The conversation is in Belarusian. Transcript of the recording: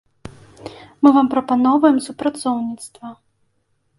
Мы вам прапаноўваем супрацоўніцтва.